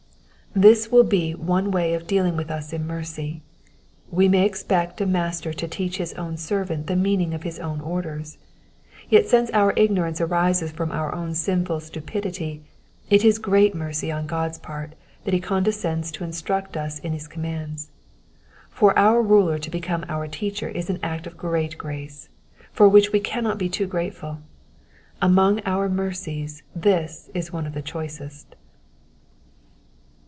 '''' This will be one way of dealing with us in mercy. We may expect a master to teach his own servant the meaning of his own orders. Yet since our ignorance arises from our own sinful stupidity, it is great mercy on God's part that he condescends to instruct us in his com mands. For our ruler to become our teacher is an act of great grace, for which we cannot be too grateful. Among our mercies this is one of the choicest.